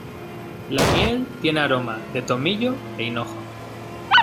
La miel tiene aroma de tomillo e hinojo.